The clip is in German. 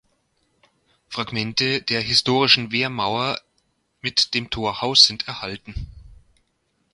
Fragmente der historischen Wehrmauer mit dem Torhaus sind erhalten.